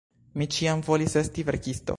Mi ĉiam volis esti verkisto.